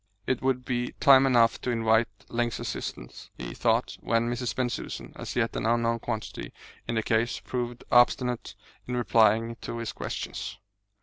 It would be time enough to invite Link's assistance, he thought, when Mrs. Bensusan as yet an unknown quantity in the case proved obstinate in replying to his questions.